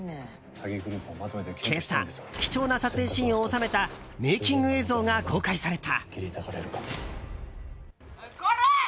今朝、貴重な撮影シーンを収めたメイキング映像が公開された。